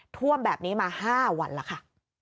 ท่วมแบบนี้มา๕วันแล้วค่ะ